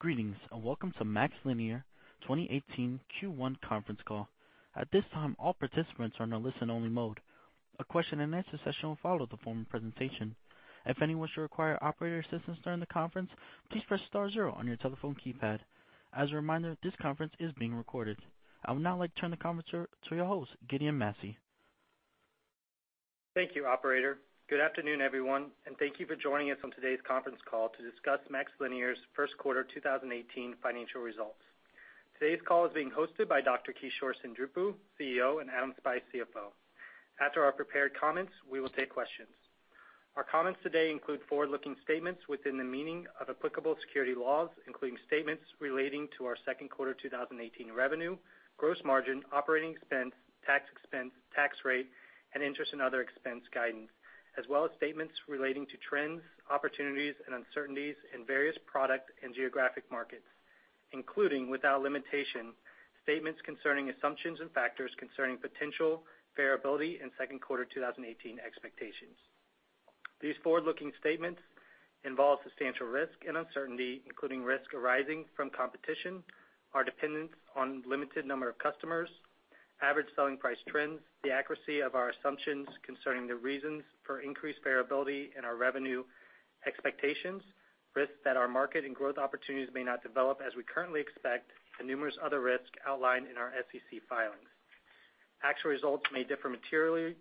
Greetings, welcome to MaxLinear 2018 Q1 conference call. At this time, all participants are in a listen-only mode. A question-and-answer session will follow the formal presentation. If anyone should require operator assistance during the conference, please press star zero on your telephone keypad. As a reminder, this conference is being recorded. I would now like to turn the conference over to your host, Gideon Massey. Thank you, operator. Good afternoon, everyone, thank you for joining us on today's conference call to discuss MaxLinear's first quarter 2018 financial results. Today's call is being hosted by Dr. Kishore Seendripu, CEO, and Adam Spice, CFO. After our prepared comments, we will take questions. Our comments today include forward-looking statements within the meaning of applicable security laws, including statements relating to our second quarter 2018 revenue, gross margin, operating expense, tax expense, tax rate, and interest and other expense guidance, as well as statements relating to trends, opportunities, and uncertainties in various product and geographic markets, including, without limitation, statements concerning assumptions and factors concerning potential variability in second quarter 2018 expectations. These forward-looking statements involve substantial risk and uncertainty, including risk arising from competition, our dependence on limited number of customers, average selling price trends, the accuracy of our assumptions concerning the reasons for increased variability in our revenue expectations, risks that our market and growth opportunities may not develop as we currently expect, and numerous other risks outlined in our SEC filings. Actual results may differ materially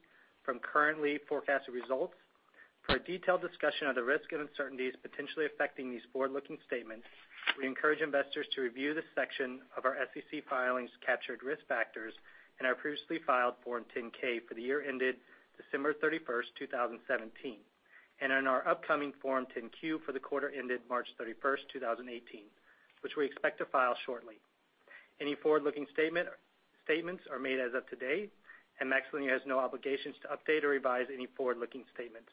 from currently forecasted results. For a detailed discussion of the risks and uncertainties potentially affecting these forward-looking statements, we encourage investors to review the section of our SEC filings captured risk factors in our previously filed Form 10-K for the year ended December 31, 2017, and in our upcoming Form 10-Q for the quarter ended March 31, 2018, which we expect to file shortly. Any forward-looking statements are made as of today. MaxLinear has no obligations to update or revise any forward-looking statements.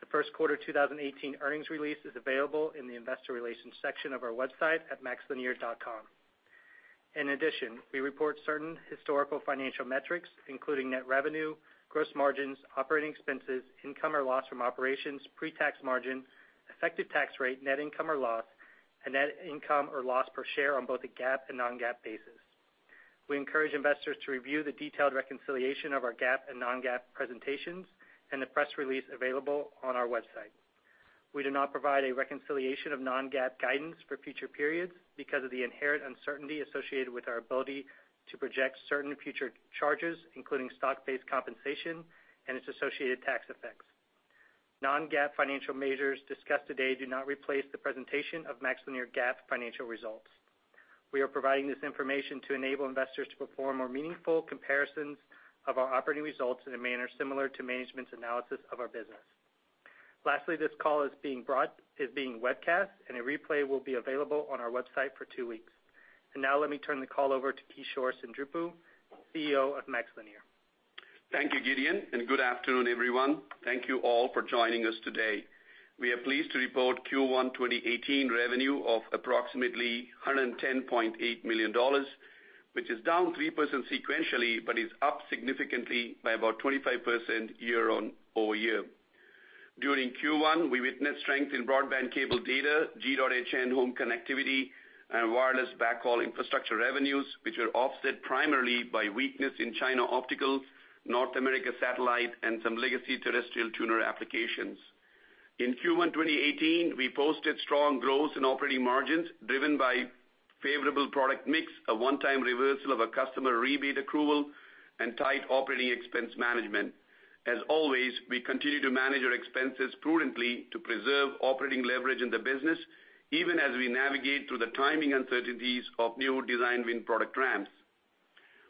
The first quarter 2018 earnings release is available in the investor relations section of our website at maxlinear.com. In addition, we report certain historical financial metrics, including net revenue, gross margins, operating expenses, income or loss from operations, pre-tax margin, effective tax rate, net income or loss, and net income or loss per share on both a GAAP and non-GAAP basis. We encourage investors to review the detailed reconciliation of our GAAP and non-GAAP presentations in the press release available on our website. We do not provide a reconciliation of non-GAAP guidance for future periods because of the inherent uncertainty associated with our ability to project certain future charges, including stock-based compensation and its associated tax effects. Non-GAAP financial measures discussed today do not replace the presentation of MaxLinear GAAP financial results. We are providing this information to enable investors to perform more meaningful comparisons of our operating results in a manner similar to management's analysis of our business. Lastly, this call is being webcast and a replay will be available on our website for two weeks. Now let me turn the call over to Kishore Seendripu, CEO of MaxLinear. Thank you, Gideon Massey, and good afternoon, everyone. Thank you all for joining us today. We are pleased to report Q1 2018 revenue of approximately $110.8 million, which is down 3% sequentially, but is up significantly by about 25% year-over-year. During Q1, we witnessed strength in broadband cable data, G.hn home connectivity, and wireless backhaul infrastructure revenues, which were offset primarily by weakness in China optical, North America satellite, and some legacy terrestrial tuner applications. In Q1 2018, we posted strong growth in operating margins driven by favorable product mix, a one-time reversal of a customer rebate accrual, and tight operating expense management. As always, we continue to manage our expenses prudently to preserve operating leverage in the business, even as we navigate through the timing uncertainties of new design win product ramps.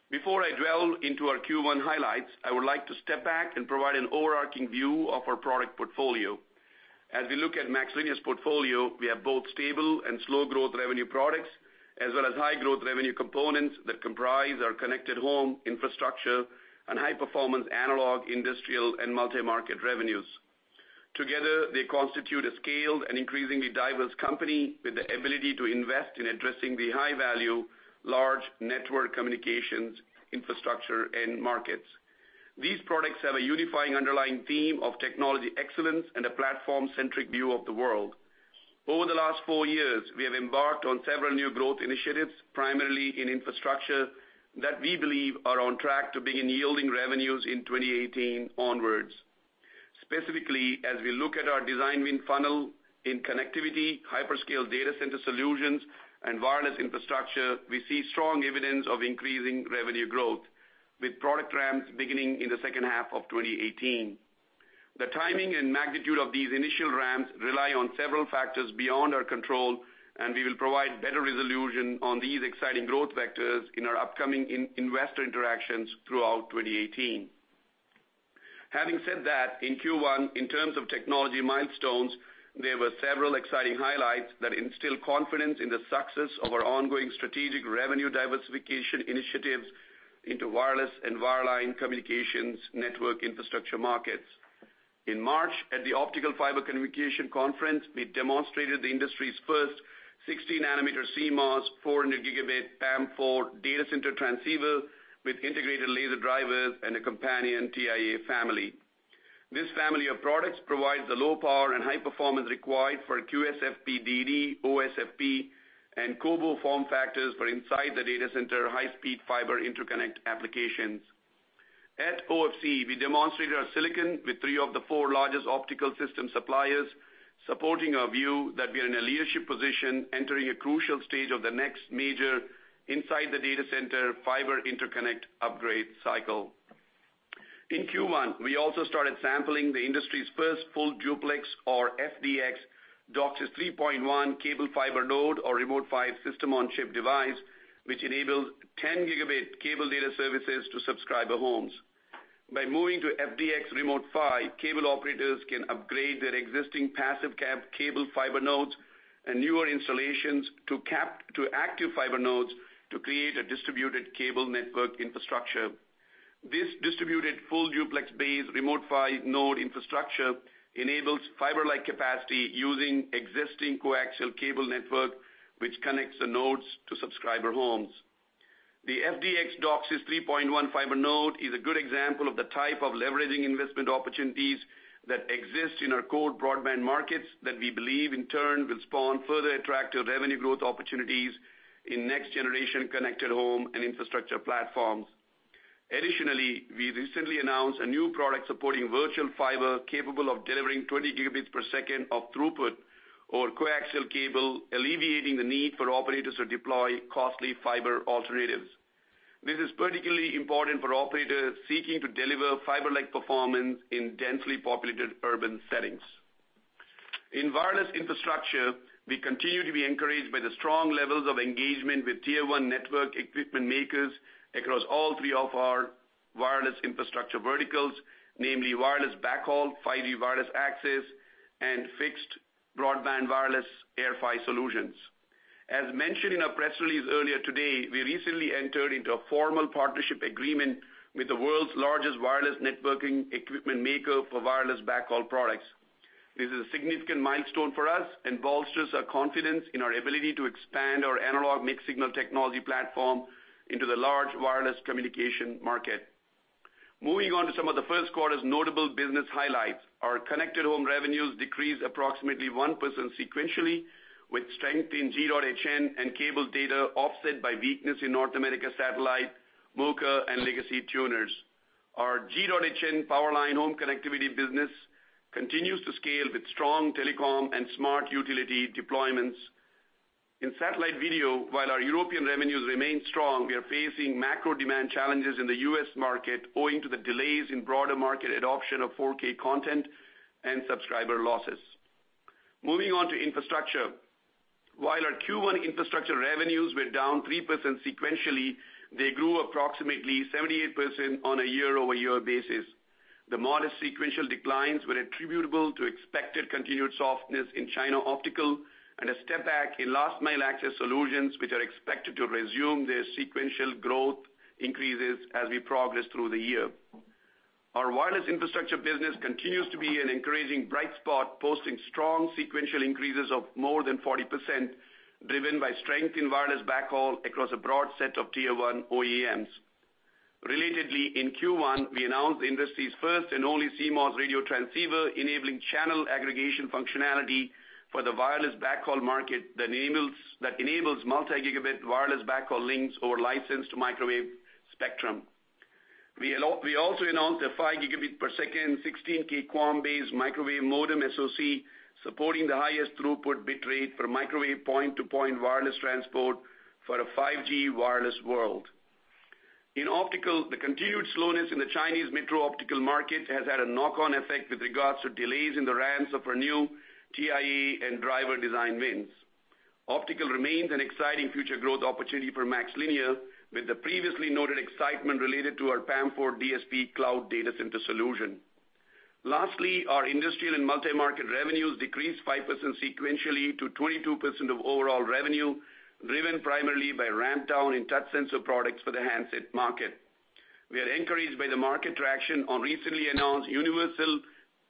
Before I delve into our Q1 highlights, I would like to step back and provide an overarching view of our product portfolio. As we look at MaxLinear's portfolio, we have both stable and slow growth revenue products, as well as high growth revenue components that comprise our connected home infrastructure and high-performance analog, industrial, and multi-market revenues. Together, they constitute a scaled and increasingly diverse company with the ability to invest in addressing the high-value, large network communications infrastructure end markets. These products have a unifying underlying theme of technology excellence and a platform-centric view of the world. Over the last four years, we have embarked on several new growth initiatives, primarily in infrastructure, that we believe are on track to begin yielding revenues in 2018 onwards. Specifically, as we look at our design win funnel in connectivity, hyperscale data center solutions, and wireless infrastructure, we see strong evidence of increasing revenue growth, with product ramps beginning in the second half of 2018. The timing and magnitude of these initial ramps rely on several factors beyond our control. We will provide better resolution on these exciting growth vectors in our upcoming investor interactions throughout 2018. Having said that, in Q1, in terms of technology milestones, there were several exciting highlights that instill confidence in the success of our ongoing strategic revenue diversification initiatives into wireless and wireline communications network infrastructure markets. In March, at the Optical Fiber Communication Conference, we demonstrated the industry's first 60-nanometer CMOS 400 Gigabit PAM4 data center transceiver with integrated laser drivers and a companion TIA family. This family of products provides the low power and high performance required for QSFP-DD, OSFP, and COBO form factors for inside the data center high-speed fiber interconnect applications. At OFC, we demonstrated our silicon with three of the four largest optical system suppliers, supporting our view that we are in a leadership position entering a crucial stage of the next major inside the data center fiber interconnect upgrade cycle. In Q1, we also started sampling the industry's first full duplex or FDX DOCSIS 3.1 cable fiber node or Remote PHY system on chip device, which enables 10 gigabit cable data services to subscriber homes. By moving to FDX Remote PHY, cable operators can upgrade their existing passive cable fiber nodes and newer installations to active fiber nodes to create a distributed cable network infrastructure. This distributed full duplex-based Remote PHY node infrastructure enables fiber-like capacity using existing coaxial cable network, which connects the nodes to subscriber homes. The FDX DOCSIS 3.1 fiber node is a good example of the type of leveraging investment opportunities that exist in our core broadband markets that we believe in turn will spawn further attractive revenue growth opportunities in next generation connected home and infrastructure platforms. Additionally, we recently announced a new product supporting virtual fiber capable of delivering 20 gigabits per second of throughput over coaxial cable, alleviating the need for operators to deploy costly fiber alternatives. This is particularly important for operators seeking to deliver fiber-like performance in densely populated urban settings. In wireless infrastructure, we continue to be encouraged by the strong levels of engagement with tier 1 network equipment makers across all three of our wireless infrastructure verticals, namely wireless backhaul, 5G wireless access, and fixed broadband wireless AirPHY solutions. As mentioned in our press release earlier today, we recently entered into a formal partnership agreement with the world's largest wireless networking equipment maker for wireless backhaul products. This is a significant milestone for us and bolsters our confidence in our ability to expand our analog mixed signal technology platform into the large wireless communication market. Moving on to some of the first quarter's notable business highlights. Our connected home revenues decreased approximately 1% sequentially, with strength in G.hn and cable data offset by weakness in North America satellite, MoCA, and legacy tuners. Our G.hn power line home connectivity business continues to scale with strong telecom and smart utility deployments. In satellite video, while our European revenues remain strong, we are facing macro demand challenges in the U.S. market owing to the delays in broader market adoption of 4K content and subscriber losses. Moving on to infrastructure. While our Q1 infrastructure revenues were down 3% sequentially, they grew approximately 78% on a year-over-year basis. The modest sequential declines were attributable to expected continued softness in China optical and a step back in last mile access solutions, which are expected to resume their sequential growth increases as we progress through the year. Our wireless infrastructure business continues to be an encouraging bright spot, posting strong sequential increases of more than 40%, driven by strength in wireless backhaul across a broad set of tier 1 OEMs. Relatedly, in Q1, we announced the industry's first and only CMOS radio transceiver enabling channel aggregation functionality for the wireless backhaul market that enables multi-gigabit wireless backhaul links over licensed microwave spectrum. We also announced a 5 gigabit per second 16K QAM-based microwave modem SoC supporting the highest throughput bitrate for microwave point-to-point wireless transport for a 5G wireless world. In optical, the continued slowness in the Chinese metro optical market has had a knock-on effect with regards to delays in the ramps of our new TIA and driver design wins. Optical remains an exciting future growth opportunity for MaxLinear, with the previously noted excitement related to our PAM4 DSP cloud data center solution. Lastly, our industrial and multi-market revenues decreased 5% sequentially to 22% of overall revenue, driven primarily by ramp down in touch sensor products for the handset market. We are encouraged by the market traction on recently announced universal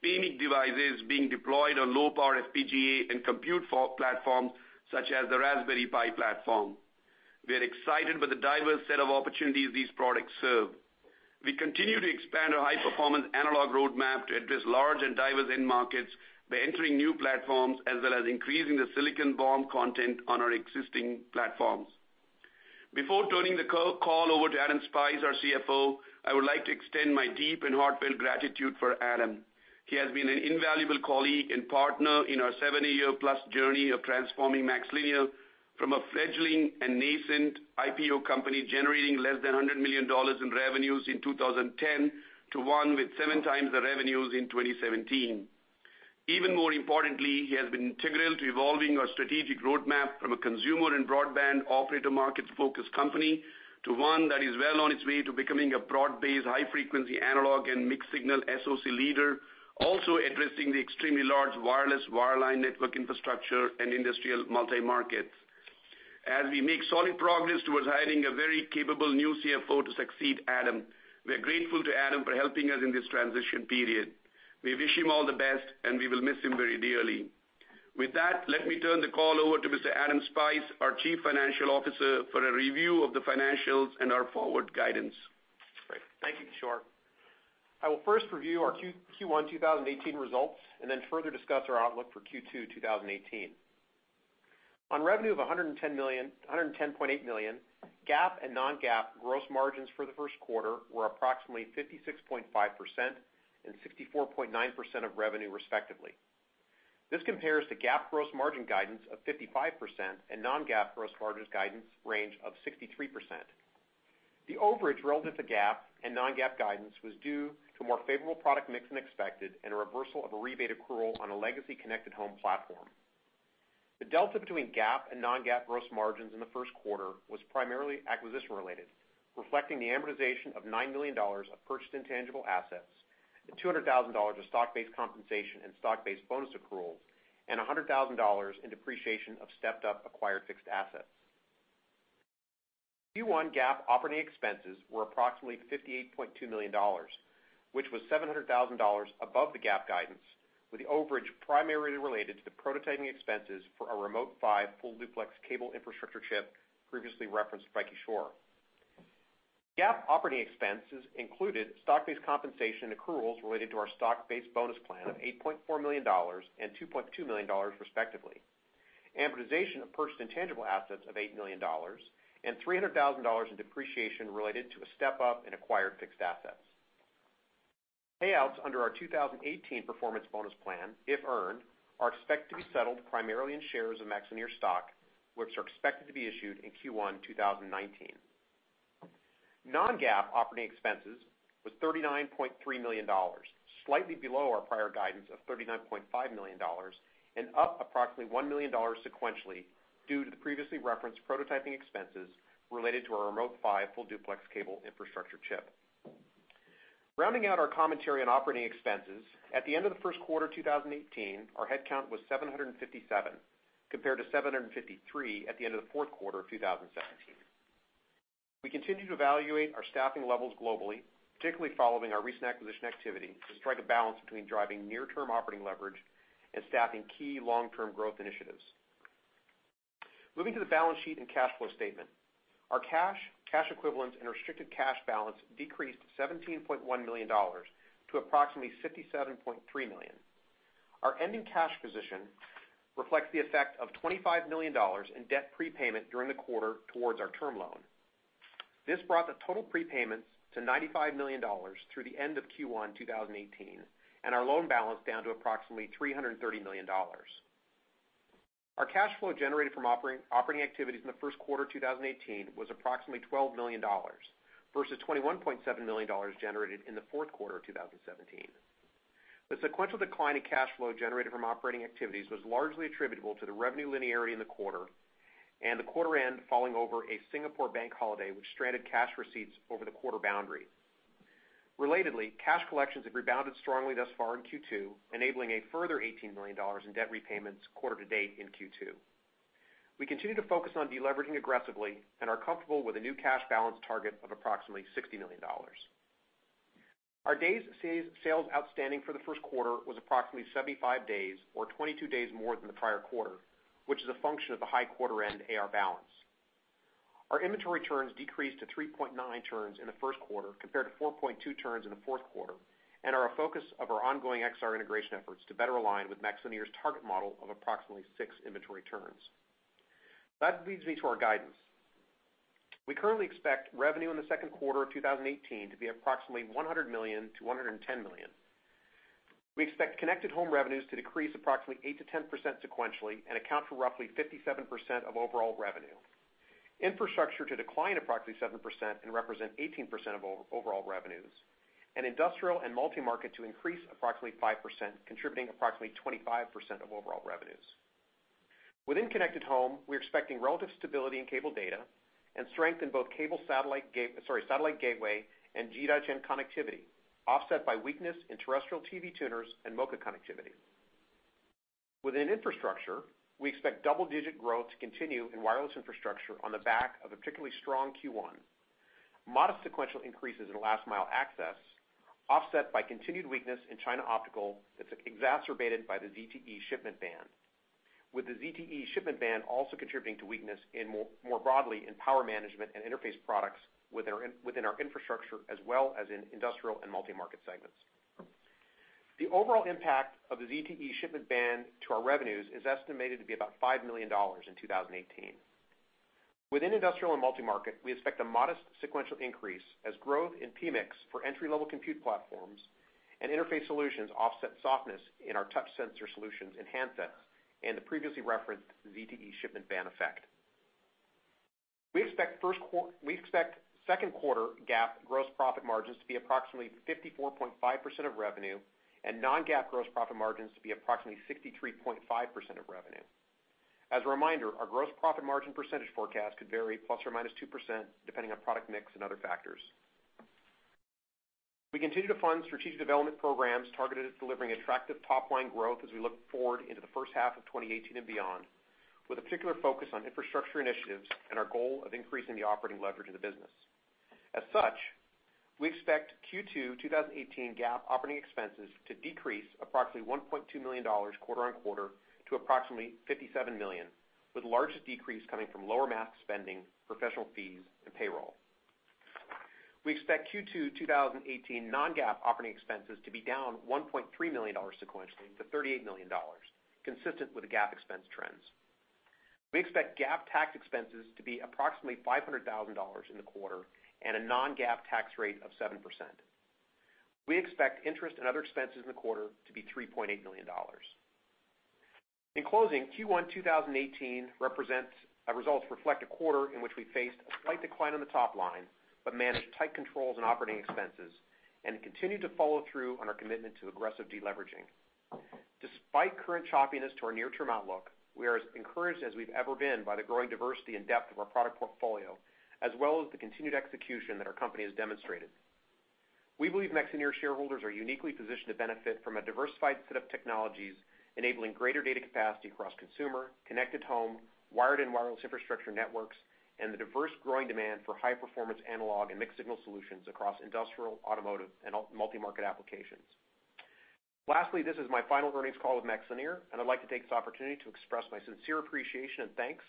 PMIC devices being deployed on low-power FPGA and compute platforms such as the Raspberry Pi platform. We are excited by the diverse set of opportunities these products serve. We continue to expand our high-performance analog roadmap to address large and diverse end markets by entering new platforms as well as increasing the silicon BOM content on our existing platforms. Before turning the call over to Adam Spice, our CFO, I would like to extend my deep and heartfelt gratitude for Adam. He has been an invaluable colleague and partner in our 70-year plus journey of transforming MaxLinear from a fledgling and nascent IPO company generating less than $100 million in revenues in 2010 to one with seven times the revenues in 2017. Even more importantly, he has been integral to evolving our strategic roadmap from a consumer and broadband operator market-focused company to one that is well on its way to becoming a broad-based, high-frequency analog and mixed signal SoC leader, also addressing the extremely large wireless, wireline network infrastructure and industrial multi-markets. As we make solid progress towards hiring a very capable new CFO to succeed Adam, we are grateful to Adam for helping us in this transition period. We wish him all the best, and we will miss him very dearly. With that, let me turn the call over to Mr. Adam Spice, our Chief Financial Officer, for a review of the financials and our forward guidance. Great. Thank you, Kishore. I will first review our Q1 2018 results and then further discuss our outlook for Q2 2018. On revenue of $110.8 million, GAAP and non-GAAP gross margins for the first quarter were approximately 56.5% and 64.9% of revenue respectively. This compares to GAAP gross margin guidance of 55% and non-GAAP gross margins guidance range of 63%. The overage relative to GAAP and non-GAAP guidance was due to more favorable product mix than expected and a reversal of a rebate accrual on a legacy connected home platform. The delta between GAAP and non-GAAP gross margins in the first quarter was primarily acquisition related, reflecting the amortization of $9 million of purchased intangible assets and $200,000 of stock-based compensation and stock-based bonus accruals, and $100,000 in depreciation of stepped-up acquired fixed assets. Q1 GAAP operating expenses were approximately $58.2 million, which was $700,000 above the GAAP guidance, with the overage primarily related to the prototyping expenses for our Remote PHY full duplex cable infrastructure chip previously referenced by Kishore. GAAP operating expenses included stock-based compensation accruals related to our stock-based bonus plan of $8.4 million and $2.2 million respectively, amortization of purchased intangible assets of $8 million and $300,000 in depreciation related to a step-up in acquired fixed assets. Payouts under our 2018 performance bonus plan, if earned, are expected to be settled primarily in shares of MaxLinear stock, which are expected to be issued in Q1 2019. Non-GAAP operating expenses was $39.3 million, slightly below our prior guidance of $39.5 million and up approximately $1 million sequentially due to the previously referenced prototyping expenses related to our Remote PHY full duplex cable infrastructure chip. Rounding out our commentary on operating expenses, at the end of the first quarter 2018, our headcount was 757 compared to 753 at the end of the fourth quarter of 2017. We continue to evaluate our staffing levels globally, particularly following our recent acquisition activity to strike a balance between driving near-term operating leverage and staffing key long-term growth initiatives. Moving to the balance sheet and cash flow statement. Our cash equivalents and restricted cash balance decreased to $17.1 million to approximately $57.3 million. Our ending cash position reflects the effect of $25 million in debt prepayment during the quarter towards our term loan. This brought the total prepayments to $95 million through the end of Q1 2018 and our loan balance down to approximately $330 million. Our cash flow generated from operating activities in the first quarter 2018 was approximately $12 million versus $21.7 million generated in the fourth quarter of 2017. The sequential decline in cash flow generated from operating activities was largely attributable to the revenue linearity in the quarter and the quarter end falling over a Singapore bank holiday, which stranded cash receipts over the quarter boundary. Relatedly, cash collections have rebounded strongly thus far in Q2, enabling a further $18 million in debt repayments quarter to date in Q2. We continue to focus on deleveraging aggressively and are comfortable with a new cash balance target of approximately $60 million. Our days sales outstanding for the first quarter was approximately 75 days, or 22 days more than the prior quarter, which is a function of the high quarter end AR balance. Our inventory turns decreased to 3.9 turns in the first quarter compared to 4.2 turns in the fourth quarter and are a focus of our ongoing Exar integration efforts to better align with MaxLinear's target model of approximately six inventory turns. That leads me to our guidance. We currently expect revenue in the second quarter of 2018 to be approximately $100 million-$110 million. We expect connected home revenues to decrease approximately 8%-10% sequentially and account for roughly 57% of overall revenue. Infrastructure to decline approximately 7% and represent 18% of overall revenues and industrial and multi-market to increase approximately 5%, contributing approximately 25% of overall revenues. Within connected home, we're expecting relative stability in cable data and strength in both satellite gateway and G.hn connectivity, offset by weakness in terrestrial TV tuners and MoCA connectivity. Within infrastructure, we expect double-digit growth to continue in wireless infrastructure on the back of a particularly strong Q1. Modest sequential increases in last mile access offset by continued weakness in China optical that is exacerbated by the ZTE shipment ban. With the ZTE shipment ban also contributing to weakness more broadly in power management and interface products within our infrastructure as well as in industrial and multi-market segments. The overall impact of the ZTE shipment ban to our revenues is estimated to be about $5 million in 2018. Within industrial and multi-market, we expect a modest sequential increase as growth in mix for entry-level compute platforms and interface solutions offset softness in our touch sensor solutions in handsets and the previously referenced ZTE shipment ban effect. We expect second quarter GAAP gross profit margins to be approximately 54.5% of revenue and non-GAAP gross profit margins to be approximately 63.5% of revenue. As a reminder, our gross profit margin percentage forecast could vary plus or minus 2% depending on product mix and other factors. We continue to fund strategic development programs targeted at delivering attractive top-line growth as we look forward into the first half of 2018 and beyond, with a particular focus on infrastructure initiatives and our goal of increasing the operating leverage in the business. As such, we expect Q2 2018 GAAP operating expenses to decrease approximately $1.2 million quarter-on-quarter to approximately $57 million, with largest decrease coming from lower R&D spending, professional fees, and payroll. We expect Q2 2018 non-GAAP operating expenses to be down $1.3 million sequentially to $38 million, consistent with the GAAP expense trends. We expect GAAP tax expenses to be approximately $500,000 in the quarter and a non-GAAP tax rate of 7%. We expect interest and other expenses in the quarter to be $3.8 million. In closing, Q1 2018 results reflect a quarter in which we faced a slight decline in the top line, but managed tight controls in operating expenses and continued to follow through on our commitment to aggressive deleveraging. Despite current choppiness to our near-term outlook, we are as encouraged as we've ever been by the growing diversity and depth of our product portfolio, as well as the continued execution that our company has demonstrated. We believe MaxLinear shareholders are uniquely positioned to benefit from a diversified set of technologies enabling greater data capacity across consumer, connected home, wired and wireless infrastructure networks, and the diverse growing demand for high-performance analog and mixed-signal solutions across industrial, automotive, and multi-market applications. Lastly, this is my final earnings call with MaxLinear, and I'd like to take this opportunity to express my sincere appreciation and thanks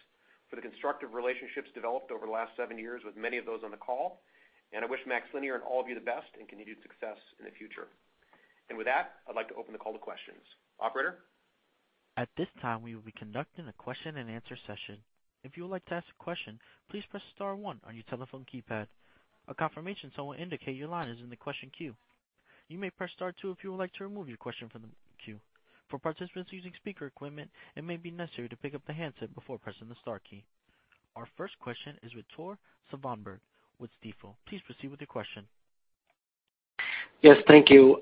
for the constructive relationships developed over the last seven years with many of those on the call, and I wish MaxLinear and all of you the best in continued success in the future. With that, I'd like to open the call to questions. Operator? At this time, we will be conducting a question and answer session. If you would like to ask a question, please press star one on your telephone keypad. A confirmation tone will indicate your line is in the question queue. You may press star two if you would like to remove your question from the queue. For participants using speaker equipment, it may be necessary to pick up the handset before pressing the star key. Our first question is with Tore Svanberg with Stifel Nicolaus. Please proceed with your question. Yes, thank you.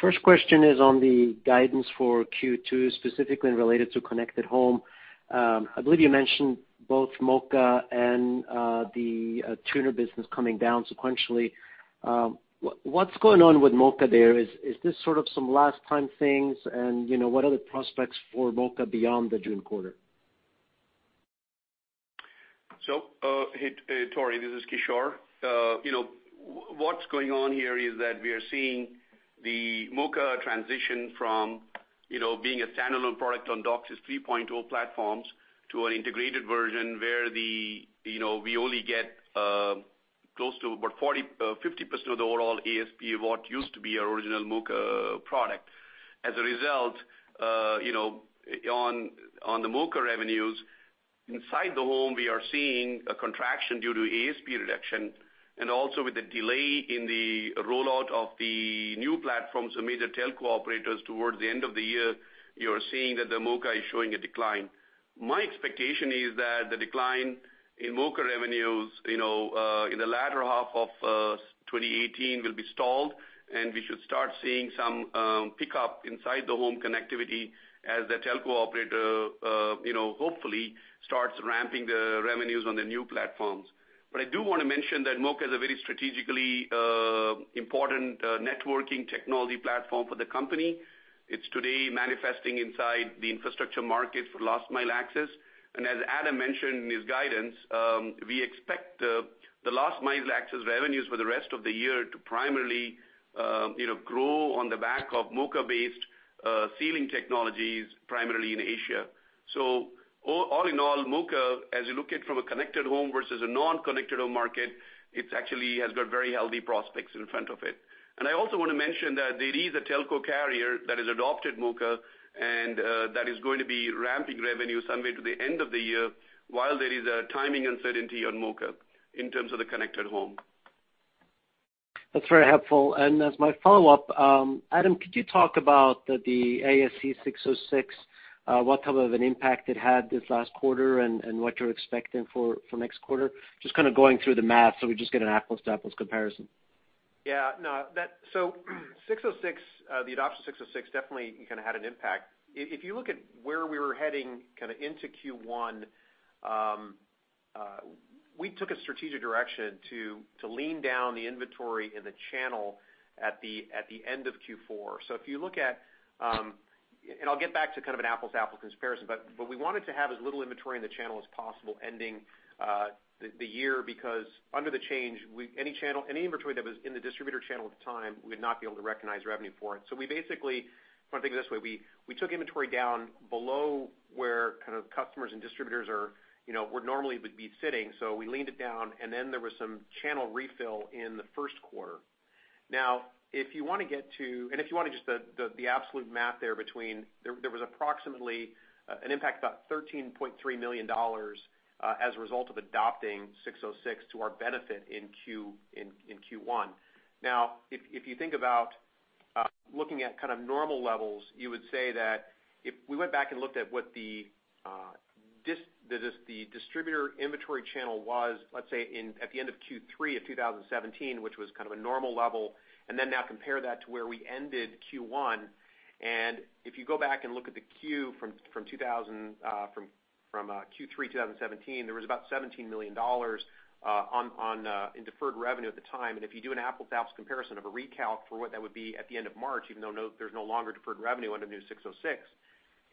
First question is on the guidance for Q2, specifically related to Connected Home. I believe you mentioned both MoCA and the tuner business coming down sequentially. What's going on with MoCA there? Is this sort of some last-time things, and what are the prospects for MoCA beyond the June quarter? Hey Tore, this is Kishore. What's going on here is that we are seeing the MoCA transition from being a standalone product on DOCSIS 3.0 platforms to an integrated version where we only get close to about 40%-50% of the overall ASP of what used to be our original MoCA product. As a result, on the MoCA revenues, inside the home, we are seeing a contraction due to ASP reduction and also with the delay in the rollout of the new platforms from major telco operators towards the end of the year, you're seeing that the MoCA is showing a decline. My expectation is that the decline in MoCA revenues in the latter half of 2018 will be stalled, and we should start seeing some pickup inside the home connectivity as the telco operator hopefully starts ramping the revenues on the new platforms. I do want to mention that MoCA is a very strategically important networking technology platform for the company. It's today manifesting inside the infrastructure market for last mile access. As Adam mentioned in his guidance, we expect the last mile access revenues for the rest of the year to primarily grow on the back of MoCA-based ceiling technologies, primarily in Asia. All in all, MoCA, as you look at from a connected home versus a non-connected home market, it actually has got very healthy prospects in front of it. I also want to mention that there is a telco carrier that has adopted MoCA, and that is going to be ramping revenue somewhere to the end of the year while there is a timing uncertainty on MoCA in terms of the connected home. That's very helpful. As my follow-up, Adam, could you talk about the ASC 606, what type of an impact it had this last quarter and what you're expecting for next quarter? Just kind of going through the math so we just get an apples-to-apples comparison. Yeah. 606, the adoption of 606 definitely kind of had an impact. If you look at where we were heading kind of into Q1, we took a strategic direction to lean down the inventory in the channel at the end of Q4. I'll get back to kind of an apples-to-apples comparison, but we wanted to have as little inventory in the channel as possible ending the year because under the change, any inventory that was in the distributor channel at the time, we would not be able to recognize revenue for it. We basically, want to think of it this way, we took inventory down below where kind of customers and distributors would normally be sitting. We leaned it down, and then there was some channel refill in the first quarter. Now, if you want to get to, if you want just the absolute math there between, there was approximately an impact about $13.3 million as a result of adopting 606 to our benefit in Q1. If you think about looking at kind of normal levels, you would say that if we went back and looked at what the distributor inventory channel was, let's say at the end of Q3 of 2017, which was kind of a normal level, then now compare that to where we ended Q1. If you go back and look at the queue from Q3 2017, there was about $17 million in deferred revenue at the time, and if you do an apples-to-apples comparison of a recount for what that would be at the end of March, even though there's no longer deferred revenue under the new 606.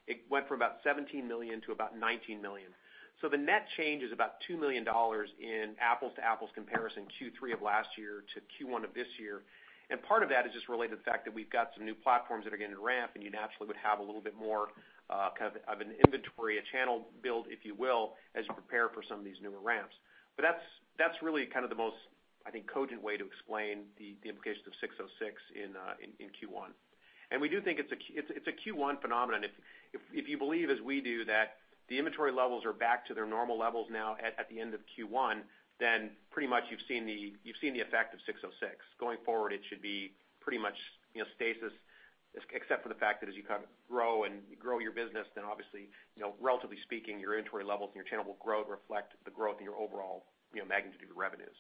It went from about $17 million to about $19 million. The net change is about $2 million in apples-to-apples comparison, Q3 of last year to Q1 of this year. Part of that is just related to the fact that we've got some new platforms that are getting ramped, and you naturally would have a little bit more of an inventory, a channel build, if you will, as you prepare for some of these newer ramps. That's really the most, I think, cogent way to explain the implications of 606 in Q1. We do think it's a Q1 phenomenon. If you believe, as we do, that the inventory levels are back to their normal levels now at the end of Q1, pretty much you've seen the effect of 606. Going forward, it should be pretty much stasis, except for the fact that as you grow and you grow your business, obviously, relatively speaking, your inventory levels and your channel will grow to reflect the growth of your overall magnitude of revenues.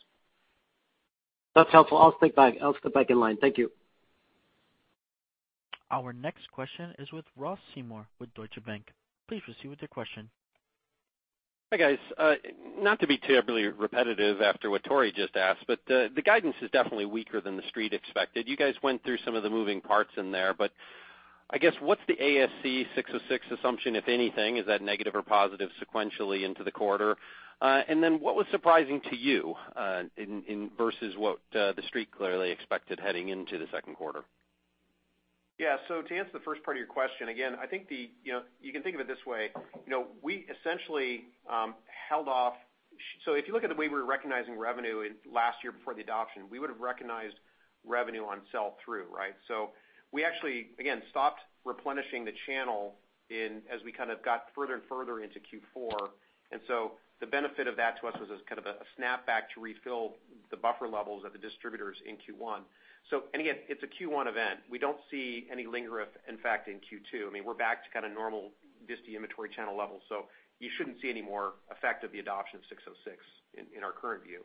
That's helpful. I'll step back in line. Thank you. Our next question is with Ross Seymore with Deutsche Bank. Please proceed with your question. Hi, guys. Not to be terribly repetitive after what Tore just asked, the guidance is definitely weaker than the Street expected. You guys went through some of the moving parts in there, but I guess, what's the ASC 606 assumption, if anything? Is that negative or positive sequentially into the quarter? What was surprising to you versus what the Street clearly expected heading into the second quarter? Yeah. To answer the first part of your question, again, you can think of it this way. We essentially held off. If you look at the way we were recognizing revenue last year before the adoption, we would've recognized revenue on sell-through, right? We actually, again, stopped replenishing the channel as we got further and further into Q4. The benefit of that to us was as kind of a snap back to refill the buffer levels at the distributors in Q1. Again, it's a Q1 event. We don't see any linger of impact in Q2. We're back to kind of normal disty inventory channel levels. You shouldn't see any more effect of the adoption of 606 in our current view.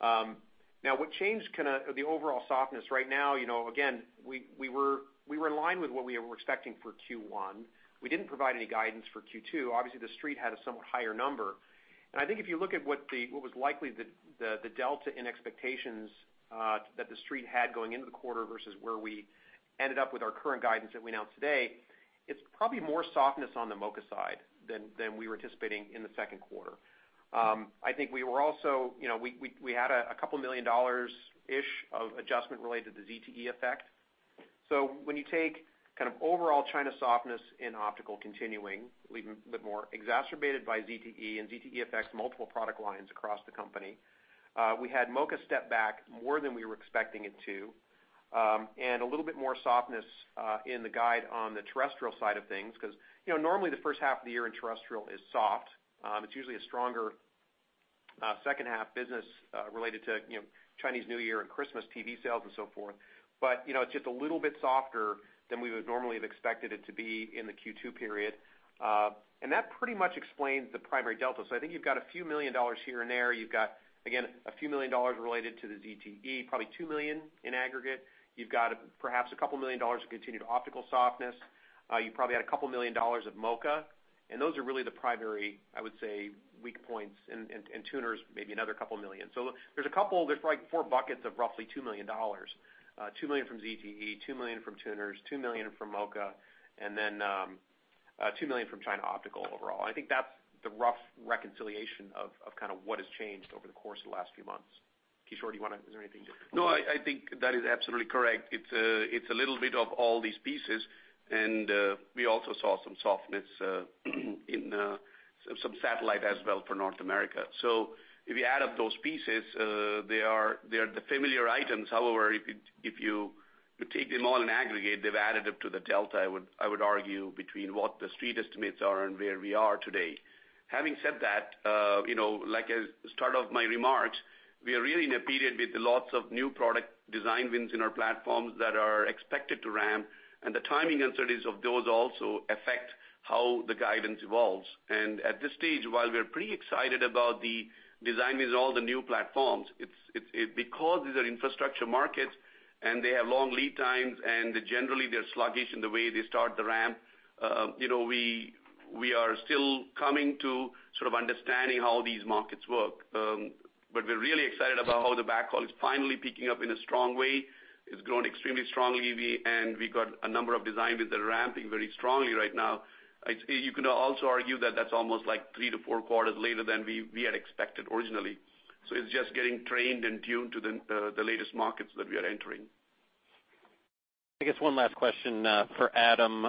What changed the overall softness right now, again, we were in line with what we were expecting for Q1. We didn't provide any guidance for Q2. Obviously, the Street had a somewhat higher number. I think if you look at what was likely the delta in expectations that the Street had going into the quarter versus where we ended up with our current guidance that we announced today, it's probably more softness on the MoCA side than we were anticipating in the second quarter. I think we had a couple million dollars-ish of adjustment related to the ZTE effect. When you take kind of overall China softness in optical continuing a little bit more, exacerbated by ZTE, and ZTE affects multiple product lines across the company, we had MoCA step back more than we were expecting it to. A little bit more softness in the guide on the terrestrial side of things, because normally the first half of the year in terrestrial is soft. It's usually a stronger second half business related to Chinese New Year and Christmas TV sales and so forth. It's just a little bit softer than we would normally have expected it to be in the Q2 period. That pretty much explains the primary delta. I think you've got a few million dollars here and there. You've got, again, a few million dollars related to the ZTE, probably $2 million in aggregate. You've got perhaps a couple million dollars of continued optical softness. You probably had a couple million dollars of MoCA, and those are really the primary, I would say, weak points, and tuners maybe another couple million. There's a couple, there's like four buckets of roughly $2 million. $2 million from ZTE, $2 million from tuners, $2 million from MoCA, and then $2 million from China optical overall. I think that's the rough reconciliation of what has changed over the course of the last few months. Kishore, is there anything different? No, I think that is absolutely correct. It's a little bit of all these pieces, and we also saw some softness in some satellite as well for North America. If you add up those pieces, they are the familiar items. However, if you take them all in aggregate, they've added up to the delta, I would argue, between what the Street estimates are and where we are today. Having said that, like I started off my remarks, we are really in a period with lots of new product design wins in our platforms that are expected to ramp, and the timing uncertainties of those also affect how the guidance evolves. At this stage, while we're pretty excited about the design wins of all the new platforms, because these are infrastructure markets and they have long lead times and generally they're sluggish in the way they start the ramp, we are still coming to sort of understanding how these markets work. We're really excited about how the backhaul is finally picking up in a strong way. It's grown extremely strongly, and we got a number of design wins that are ramping very strongly right now. You can also argue that that's almost like 3 to 4 quarters later than we had expected originally. It's just getting trained and tuned to the latest markets that we are entering. I guess one last question for Adam.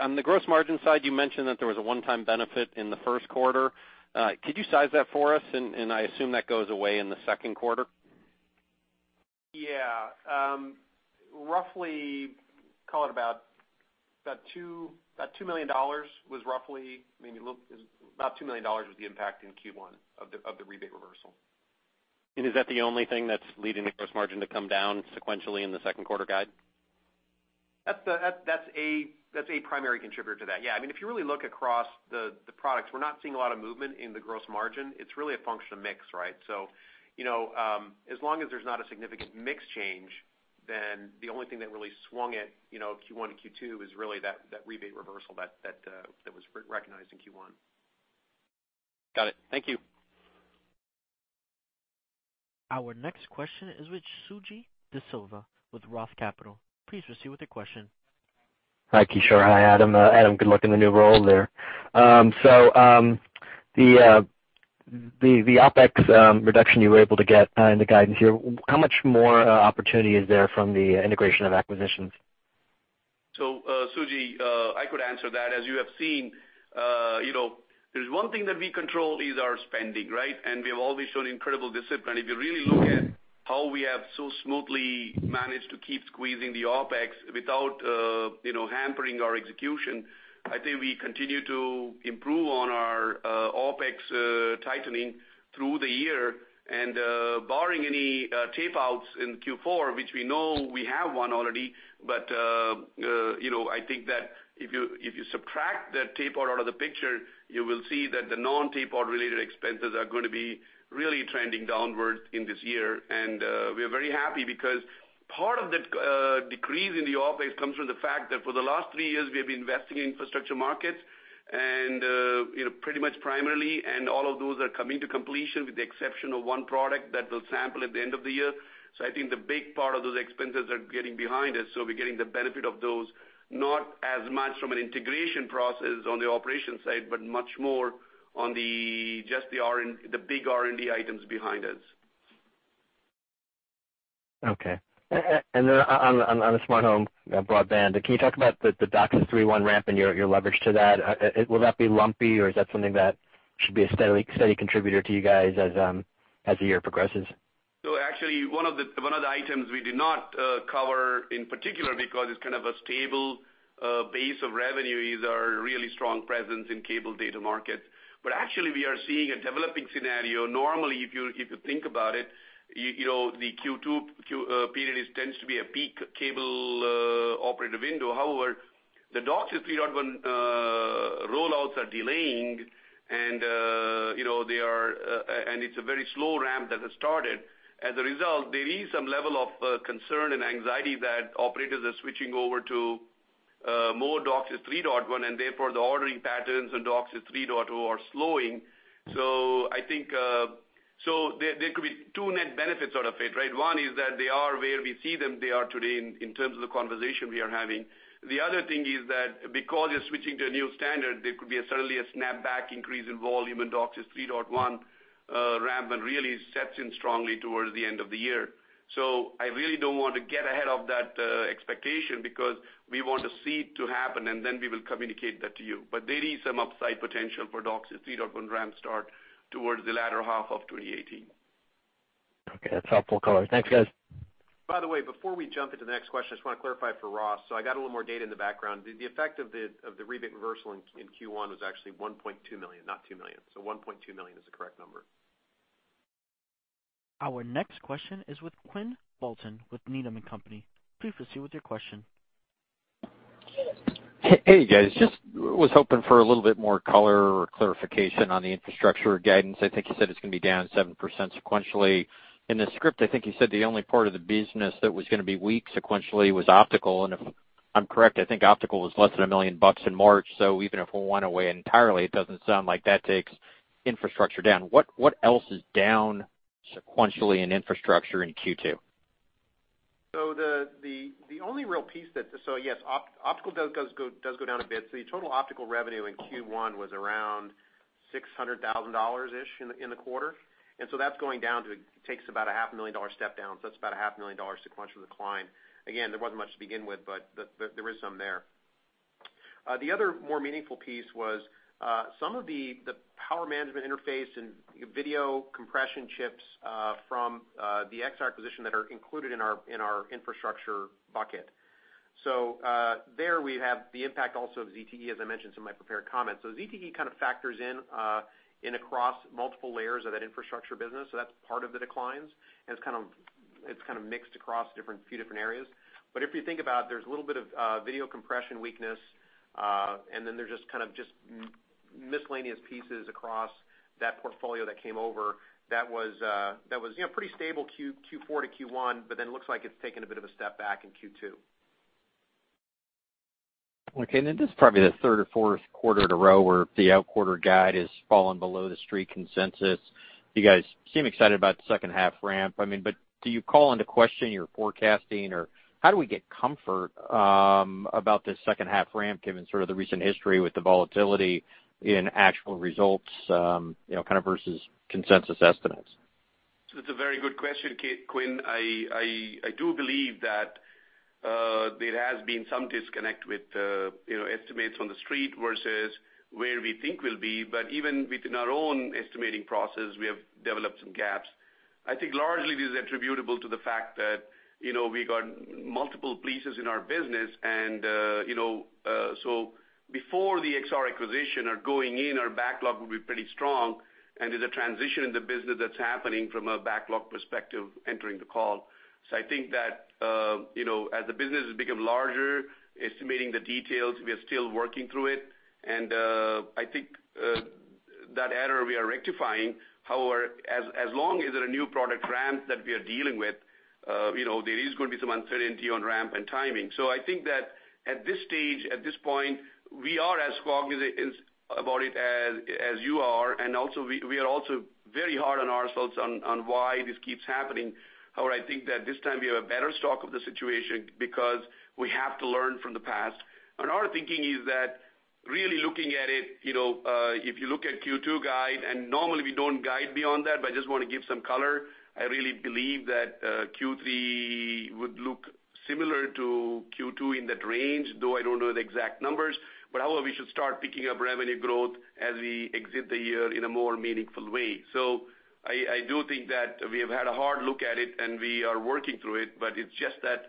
On the gross margin side, you mentioned that there was a one-time benefit in the first quarter. Could you size that for us? I assume that goes away in the second quarter. Yeah. Roughly call it about $2 million was the impact in Q1 of the rebate reversal. Is that the only thing that's leading the gross margin to come down sequentially in the second quarter guide? That's a primary contributor to that, yeah. If you really look across the products, we're not seeing a lot of movement in the gross margin. It's really a function of mix, right? As long as there's not a significant mix change, then the only thing that really swung it Q1 to Q2 is really that rebate reversal that was recognized in Q1. Got it. Thank you. Our next question is with Suji Desilva with Roth Capital. Please proceed with your question. Hi, Kishore. Hi, Adam. Adam, good luck in the new role there. The OpEx reduction you were able to get in the guidance here, how much more opportunity is there from the integration of acquisitions? Suji, I could answer that. As you have seen, there's one thing that we control is our spending, right? We have always shown incredible discipline. If you really look at how we have so smoothly managed to keep squeezing the OpEx without hampering our execution, I think we continue to improve on our OpEx tightening through the year and barring any tape outs in Q4, which we know we have one already. I think that if you subtract the tape out of the picture, you will see that the non-tape out related expenses are going to be really trending downwards in this year. We are very happy because part of the decrease in the OpEx comes from the fact that for the last three years, we have been investing in infrastructure markets and pretty much primarily, and all of those are coming to completion with the exception of one product that will sample at the end of the year. I think the big part of those expenses are getting behind us. We're getting the benefit of those, not as much from an integration process on the operation side, but much more on just the big R&D items behind us. Okay. Then on the smart home broadband, can you talk about the DOCSIS 3.1 ramp and your leverage to that? Will that be lumpy, or is that something that should be a steady contributor to you guys as the year progresses? Actually, one of the items we did not cover in particular because it's kind of a stable base of revenue, is our really strong presence in cable data markets. Actually, we are seeing a developing scenario. Normally, if you think about it, the Q2 period tends to be a peak cable operator window. However, the DOCSIS 3.1 rollouts are delaying, and it's a very slow ramp that has started. As a result, there is some level of concern and anxiety that operators are switching over to more DOCSIS 3.1, and therefore the ordering patterns in DOCSIS 3.0 are slowing. There could be two net benefits out of it, right? One is that they are where we see them they are today in terms of the conversation we are having. The other thing is that because you're switching to a new standard, there could be certainly a snap back increase in volume in DOCSIS 3.1 ramp, and really sets in strongly towards the end of the year. I really don't want to get ahead of that expectation because we want to see it to happen, and then we will communicate that to you. There is some upside potential for DOCSIS 3.1 ramp start towards the latter half of 2018. Okay. That's helpful color. Thanks, guys. By the way, before we jump into the next question, I just want to clarify for Ross. I got a little more data in the background. The effect of the rebate reversal in Q1 was actually $1.2 million, not $2 million. $1.2 million is the correct number. Our next question is with Quinn Bolton with Needham & Company. Please proceed with your question. Hey, guys. Just was hoping for a little bit more color or clarification on the infrastructure guidance. I think you said it's going to be down 7% sequentially. In the script, I think you said the only part of the business that was going to be weak sequentially was optical. If I'm correct, I think optical was less than $1 million in March. Even if we went away entirely, it doesn't sound like that takes infrastructure down. What else is down sequentially in infrastructure in Q2? Yes, optical does go down a bit. The total optical revenue in Q1 was around $600,000 in the quarter. That's going down to, takes about a half a million dollar step down. That's about a half a million dollar sequential decline. Again, there wasn't much to begin with, but there is some there. The other more meaningful piece was some of the power management interface and video compression chips from the Exar acquisition that are included in our infrastructure bucket. There we have the impact also of ZTE, as I mentioned in my prepared comments. ZTE kind of factors in across multiple layers of that infrastructure business. That's part of the declines, and it's kind of mixed across few different areas. But if you think about it, there's a little bit of video compression weakness, and then there's just kind of miscellaneous pieces across that portfolio that came over that was pretty stable Q4 to Q1, then looks like it's taken a bit of a step back in Q2. Okay, this is probably the third or fourth quarter in a row where the outquarter guide has fallen below the Street consensus. You guys seem excited about the second half ramp. Do you call into question your forecasting, or how do we get comfort about this second half ramp given sort of the recent history with the volatility in actual results versus consensus estimates? It's a very good question, Quinn. I do believe that there has been some disconnect with estimates from the Street versus where we think we'll be. Even within our own estimating process, we have developed some gaps. I think largely this is attributable to the fact that we got multiple pieces in our business, before the Exar acquisition or going in, our backlog will be pretty strong, and there's a transition in the business that's happening from a backlog perspective entering the call. I think that as the business has become larger, estimating the details, we are still working through it. I think that error we are rectifying. However, as long as there are new product ramps that we are dealing with, there is going to be some uncertainty on ramp and timing. I think that at this stage, at this point, we are as cognizant about it as you are, we are also very hard on ourselves on why this keeps happening. However, I think that this time we have a better stock of the situation because we have to learn from the past. Our thinking is that really looking at it, if you look at Q2 guide, and normally we don't guide beyond that, I just want to give some color. I really believe that Q3 would look similar to Q2 in that range, though I don't know the exact numbers, we should start picking up revenue growth as we exit the year in a more meaningful way. I do think that we have had a hard look at it, we are working through it's just that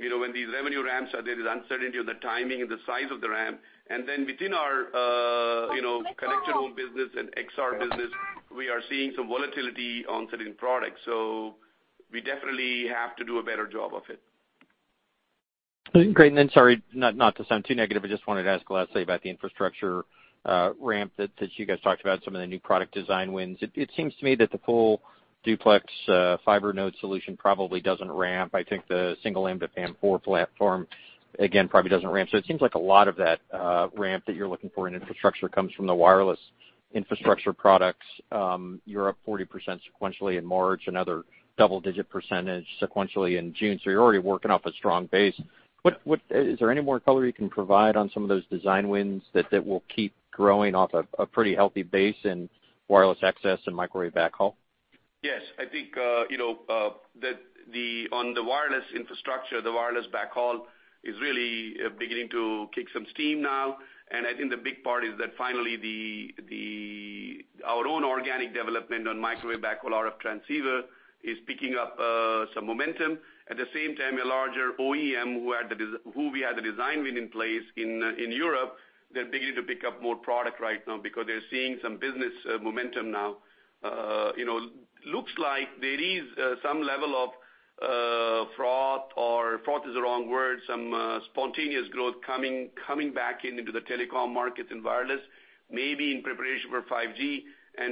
when these revenue ramps are there's uncertainty on the timing and the size of the ramp. Within our connected home business and Exar business, we are seeing some volatility on certain products, we definitely have to do a better job of it. Great. Sorry, not to sound too negative, I just wanted to ask lastly about the infrastructure ramp that you guys talked about, some of the new product design wins. It seems to me that the full duplex fiber node solution probably doesn't ramp. I think the single PAM4 platform, again, probably doesn't ramp. It seems like a lot of that ramp that you're looking for in infrastructure comes from the wireless infrastructure products. You're up 40% sequentially in March, another double-digit percentage sequentially in June. You're already working off a strong base. Is there any more color you can provide on some of those design wins that will keep growing off a pretty healthy base in wireless access and microwave backhaul? Yes, I think on the wireless infrastructure, the wireless backhaul is really beginning to kick some steam now. I think the big part is that finally, our own organic development on microwave backhaul RF transceiver is picking up some momentum. At the same time, a larger OEM who we had the design win in place in Europe, they're beginning to pick up more product right now because they're seeing some business momentum now. Looks like there is some level of froth, or froth is the wrong word, some spontaneous growth coming back into the telecom markets in wireless, maybe in preparation for 5G.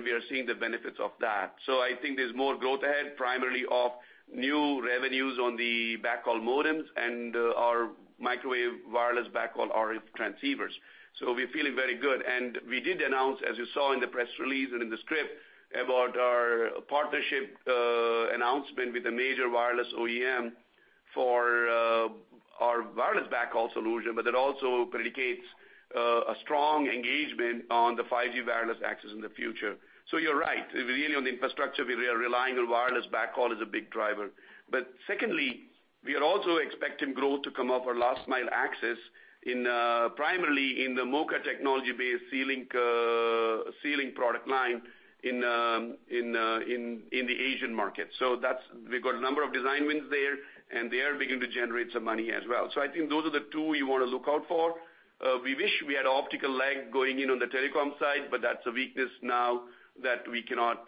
We are seeing the benefits of that. I think there's more growth ahead, primarily of new revenues on the backhaul modems and our microwave wireless backhaul RF transceivers. We're feeling very good. We did announce, as you saw in the press release and in the script, about our partnership announcement with a major wireless OEM for our wireless backhaul solution. That also predicates a strong engagement on the 5G wireless access in the future. You're right. Really, on the infrastructure, we are relying on wireless backhaul as a big driver. Secondly, we are also expecting growth to come up for last mile access primarily in the MoCA technology-based ceiling product line in the Asian market. We've got a number of design wins there, and they are beginning to generate some money as well. I think those are the two we want to look out for. We wish we had optical leg going in on the telecom side, but that's a weakness now that we cannot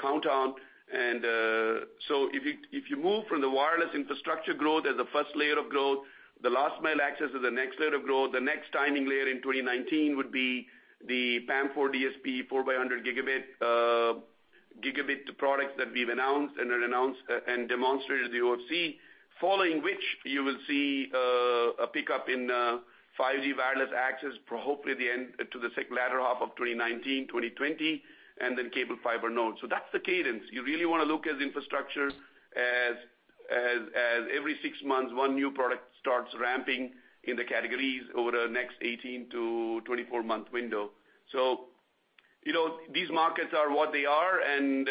count on. If you move from the wireless infrastructure growth as a first layer of growth, the last mile access is the next layer of growth. The next timing layer in 2019 would be the PAM4 DSP 400 gigabit product that we've announced and demonstrated at the OFC. Following which, you will see a pickup in 5G wireless access, hopefully to the latter half of 2019, 2020, and then cable fiber nodes. That's the cadence. You really want to look at infrastructure as every six months, one new product starts ramping in the categories over the next 18 to 24-month window. These markets are what they are, and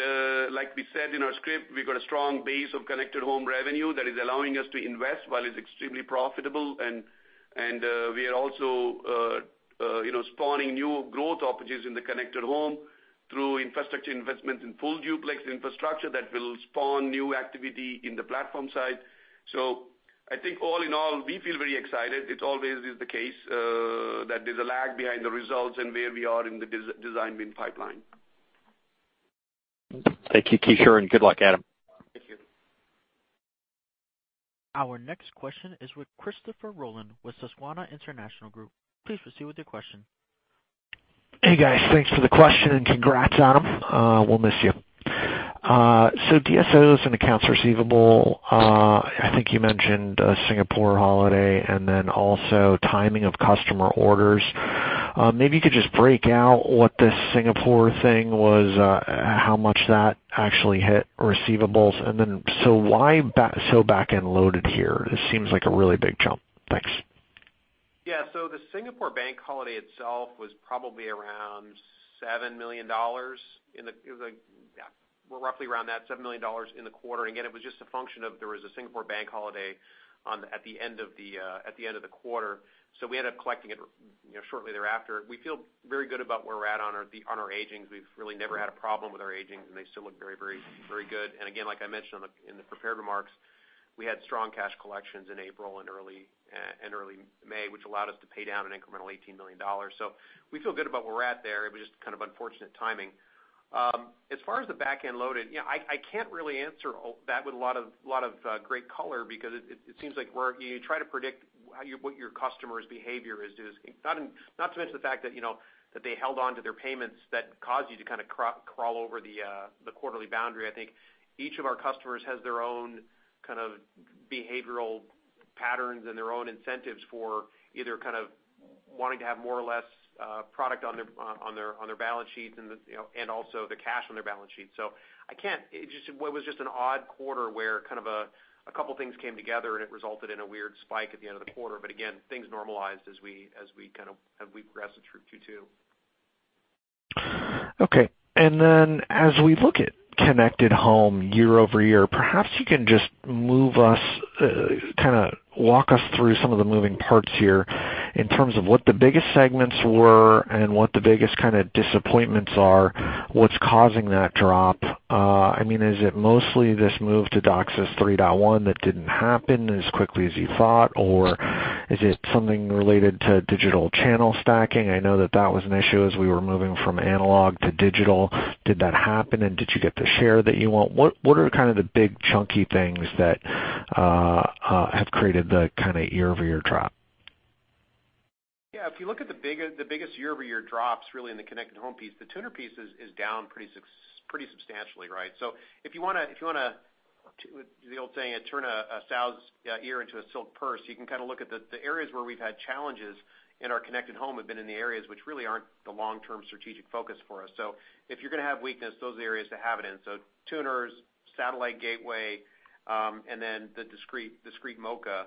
like we said in our script, we've got a strong base of connected home revenue that is allowing us to invest while it's extremely profitable. We are also spawning new growth opportunities in the connected home through infrastructure investments in full duplex infrastructure that will spawn new activity in the platform side. I think all in all, we feel very excited. It always is the case that there's a lag behind the results and where we are in the design win pipeline. Thank you, Kishore, and good luck, Adam. Thank you. Our next question is with Christopher Rolland with Susquehanna International Group. Please proceed with your question. Hey, guys. Thanks for the question and congrats, Adam. We'll miss you. DSOs and accounts receivable, I think you mentioned Singapore holiday and also timing of customer orders. Maybe you could just break out what this Singapore thing was, how much that actually hit receivables, and why so back-end loaded here? It seems like a really big jump. Thanks. Yeah. The Singapore bank holiday itself was probably around $7 million. It was roughly around that $7 million in the quarter. Again, it was just a function of there was a Singapore bank holiday at the end of the quarter, we ended up collecting it shortly thereafter. We feel very good about where we're at on our aging. We've really never had a problem with our aging, and they still look very good. Again, like I mentioned in the prepared remarks, we had strong cash collections in April and early May, which allowed us to pay down an incremental $18 million. We feel good about where we're at there. It was just kind of unfortunate timing. As far as the back-end loaded, I can't really answer that with a lot of great color because it seems like you try to predict what your customer's behavior is. Not to mention the fact that they held onto their payments that caused you to kind of crawl over the quarterly boundary. I think each of our customers has their own kind of behavioral patterns and their own incentives for either kind of wanting to have more or less product on their balance sheets and also the cash on their balance sheets. It was just an odd quarter where a couple things came together, and it resulted in a weird spike at the end of the quarter. Again, things normalized as we progressed through Q2. Okay. As we look at Connected Home year-over-year, perhaps you can just move us, walk us through some of the moving parts here in terms of what the biggest segments were and what the biggest kind of disappointments are, what's causing that drop. Is it mostly this move to DOCSIS 3.1 that didn't happen as quickly as you thought, or is it something related to digital channel stacking? I know that that was an issue as we were moving from analog to digital. Did that happen, and did you get the share that you want? What are the big chunky things that have created the year-over-year drop? If you look at the biggest year-over-year drops really in the Connected Home piece, the tuner piece is down pretty substantially, right? If you want to, the old saying, turn a sow's ear into a silk purse, you can look at the areas where we've had challenges in our Connected Home have been in the areas which really aren't the long-term strategic focus for us. If you're going to have weakness, those are the areas to have it in. Tuners, satellite gateway, and then the discrete MoCA.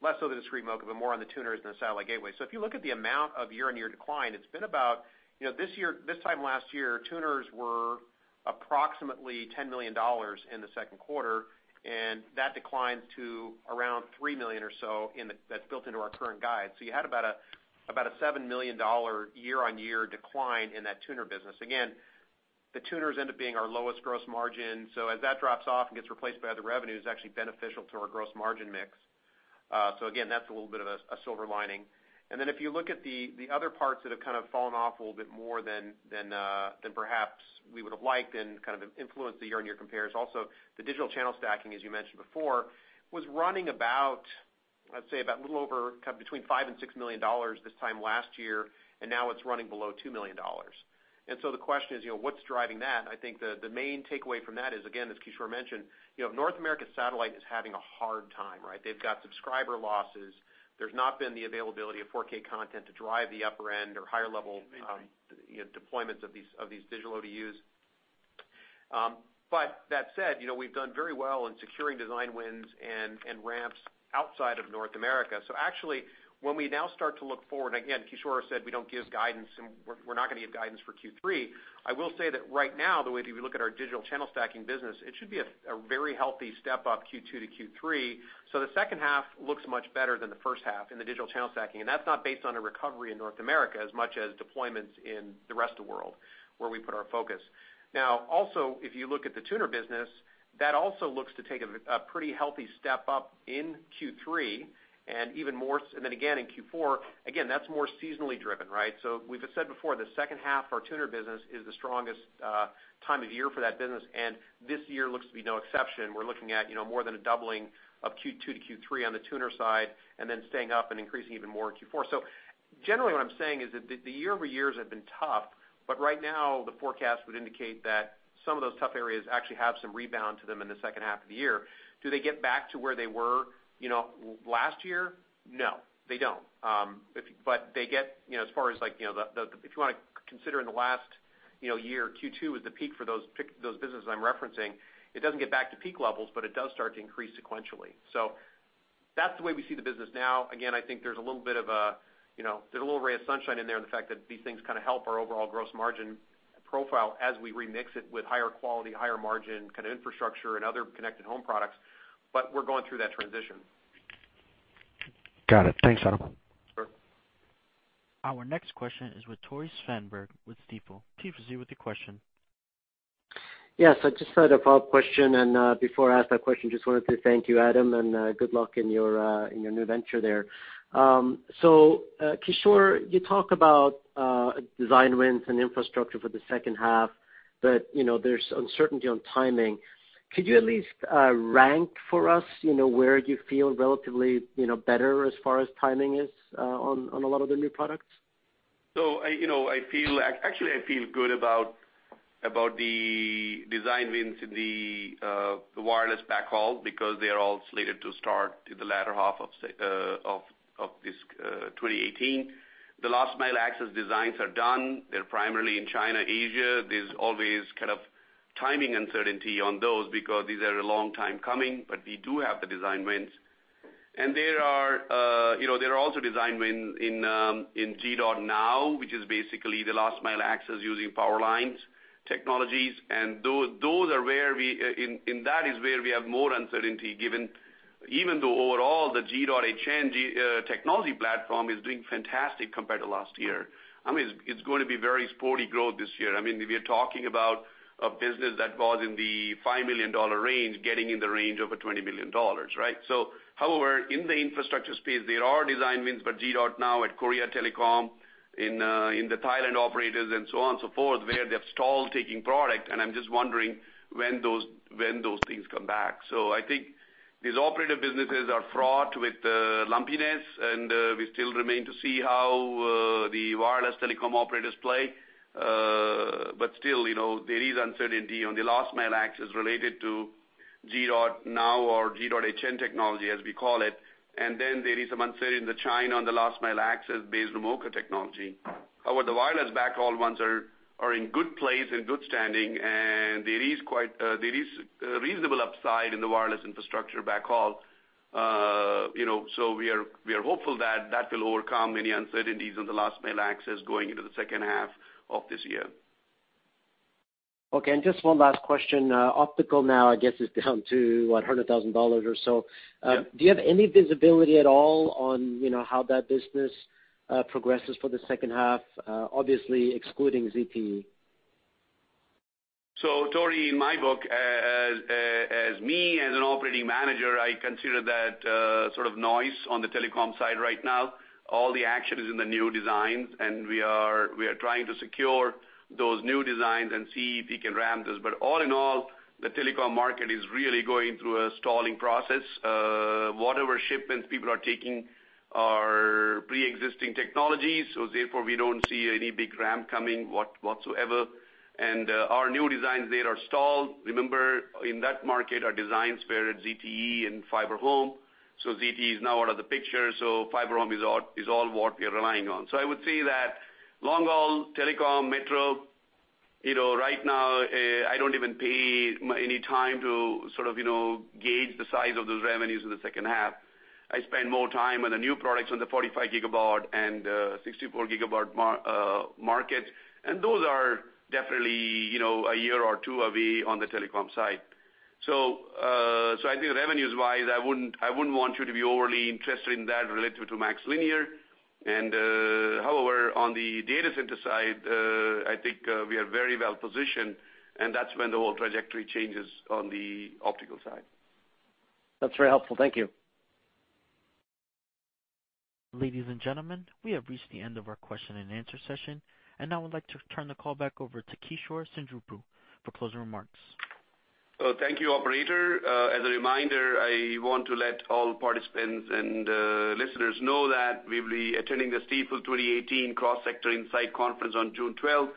Less so the discrete MoCA, but more on the tuners and the satellite gateway. If you look at the amount of year-on-year decline, this time last year, tuners were approximately $10 million in the second quarter, and that declined to around $3 million or so that's built into our current guide. You had about a $7 million year-on-year decline in that tuner business. Again, the tuners end up being our lowest gross margin. As that drops off and gets replaced by other revenues, it's actually beneficial to our gross margin mix. Again, that's a little bit of a silver lining. If you look at the other parts that have fallen off a little bit more than perhaps we would have liked and influenced the year-on-year compares. Also, the digital channel stacking, as you mentioned before, was running about, let's say, about a little over between $5 million and $6 million this time last year, and now it's running below $2 million. The question is, what's driving that? I think the main takeaway from that is, again, as Kishore mentioned, North America Satellite is having a hard time, right? They've got subscriber losses. There's not been the availability of 4K content to drive the upper end or higher level deployments of these digital ODUs. That said, we've done very well in securing design wins and ramps outside of North America. Actually, when we now start to look forward, again, Kishore said we don't give guidance and we're not going to give guidance for Q3. I will say that right now, the way if you look at our digital channel stacking business, it should be a very healthy step up Q2 to Q3. The second half looks much better than the first half in the digital channel stacking, and that's not based on a recovery in North America as much as deployments in the rest of the world where we put our focus. Also, if you look at the tuner business, that also looks to take a pretty healthy step up in Q3 and even more so and then again in Q4. That's more seasonally driven, right? We've said before, the second half of our tuner business is the strongest time of year for that business, and this year looks to be no exception. We're looking at more than a doubling of Q2 to Q3 on the tuner side and then staying up and increasing even more in Q4. Generally what I'm saying is that the year-over-years have been tough, but right now the forecast would indicate that some of those tough areas actually have some rebound to them in the second half of the year. Do they get back to where they were last year? No, they don't. As far as if you want to consider in the last year, Q2 is the peak for those businesses I'm referencing. It doesn't get back to peak levels, but it does start to increase sequentially. That's the way we see the business now. Again, I think there's a little ray of sunshine in there and the fact that these things help our overall gross margin profile as we remix it with higher quality, higher margin infrastructure and other connected home products. We're going through that transition. Got it. Thanks, Adam. Sure. Our next question is with Tore Svanberg with Stifel. Tore, proceed with your question. Yes. I just had a follow-up question, and before I ask that question, just wanted to thank you, Adam, and good luck in your new venture there. Kishore, you talk about design wins and infrastructure for the second half, but there's uncertainty on timing. Could you at least rank for us where you feel relatively better as far as timing is on a lot of the new products? Actually, I feel good about the design wins in the wireless backhaul because they're all slated to start in the latter half of 2018. The last-mile access designs are done. They're primarily in China, Asia. There's always timing uncertainty on those because these are a long time coming, but we do have the design wins. There are also design wins in G.hn, which is basically the last mile access using power lines technologies. That is where we have more uncertainty given even though overall the G.hn technology platform is doing fantastic compared to last year. It's going to be very sporty growth this year. We're talking about a business that was in the $5 million range, getting in the range of $20 million, right? However, in the infrastructure space, there are design wins for G.hn at Korea Telecom in the Thailand operators and so on and so forth, where they've stalled taking product, and I'm just wondering when those things come back. I think these operator businesses are fraught with lumpiness, and we still remain to see how the wireless telecom operators play. Still, there is uncertainty on the last-mile access related to G.hn or G.hn technology, as we call it. There is some uncertainty in China on the last-mile access based on MoCA technology. However, the wireless backhaul ones are in good place, in good standing, and there is reasonable upside in the wireless infrastructure backhaul. We are hopeful that will overcome any uncertainties in the last-mile access going into the second half of this year. Okay. Just one last question. Optical now, I guess, is down to $100,000 or so. Yeah. Do you have any visibility at all on how that business progresses for the second half? Obviously excluding ZTE. Tore, in my book, as me as an operating manager, I consider that sort of noise on the telecom side right now. All the action is in the new designs, and we are trying to secure those new designs and see if we can ramp this. All in all, the telecom market is really going through a stalling process. Whatever shipments people are taking are preexisting technologies, therefore, we don't see any big ramp coming whatsoever. Our new designs there are stalled. Remember, in that market, our designs were at ZTE and FiberHome. ZTE is now out of the picture, FiberHome is all what we are relying on. I would say that long haul, telecom, metro, right now, I don't even pay any time to sort of gauge the size of those revenues in the second half. I spend more time on the new products on the 45 gigabaud and 64 gigabaud market. Those are definitely one or two away on the telecom side. I think revenues-wise, I wouldn't want you to be overly interested in that relative to MaxLinear. However, on the data center side, I think we are very well positioned, and that's when the whole trajectory changes on the optical side. That's very helpful. Thank you. Ladies and gentlemen, we have reached the end of our question and answer session. Now I would like to turn the call back over to Kishore Seendripu for closing remarks. Thank you, operator. As a reminder, I want to let all participants and listeners know that we will be attending the Stifel 2018 Cross Sector Insight Conference on June 12th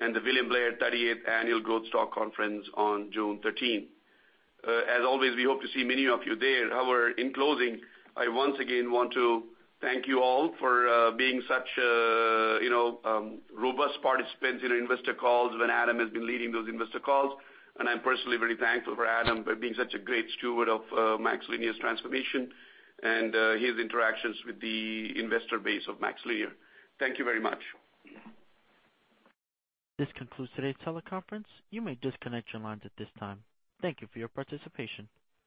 and the William Blair 38th Annual Growth Stock Conference on June 13th. As always, we hope to see many of you there. However, in closing, I once again want to thank you all for being such robust participants in our investor calls when Adam has been leading those investor calls. I'm personally very thankful for Adam for being such a great steward of MaxLinear's transformation and his interactions with the investor base of MaxLinear. Thank you very much. This concludes today's teleconference. You may disconnect your lines at this time. Thank you for your participation.